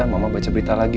mama baca berita lagi